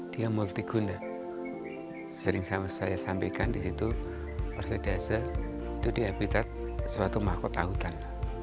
dia multiguna sering saya sampaikan di situ orsedase itu di habitat suatu mahkota hutan